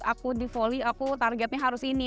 aku di volley aku targetnya harus ini